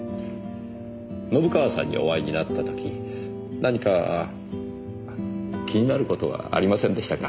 信川さんにお会いになった時何か気になる事はありませんでしたか？